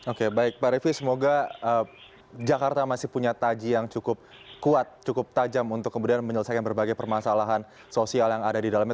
oke baik pak refli semoga jakarta masih punya taji yang cukup kuat cukup tajam untuk kemudian menyelesaikan berbagai permasalahan sosial yang ada di dalamnya